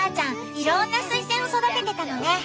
いろんなスイセンを育ててたのね！